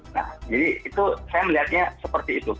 nah jadi itu saya melihatnya seperti itu